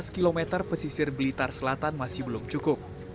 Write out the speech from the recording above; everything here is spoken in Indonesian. lima belas km pesisir blitar selatan masih belum cukup